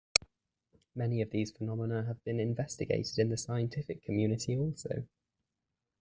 Many of these phenomena have been investigated in the scientific community also.